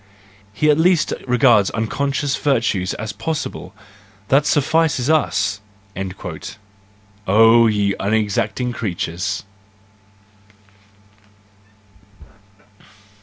He at least regards unconscious virtues as possible—that suffices us! "—Oh, ye unexacting creatures!